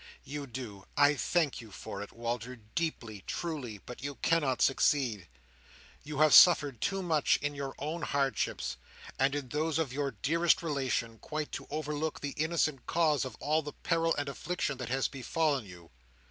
You do. I thank you for it, Walter, deeply, truly; but you cannot succeed. You have suffered too much in your own hardships, and in those of your dearest relation, quite to overlook the innocent cause of all the peril and affliction that has befallen you.